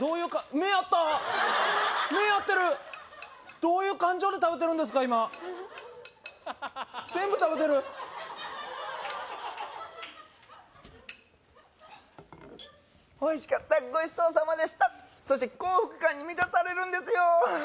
目合ってるどういう感情で食べてるんですか今全部食べてるおいしかったごちそうさまでしたそして幸福感に満たされるんですよ